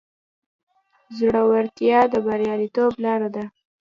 زړورتیا د بریالیتوب لاره ده.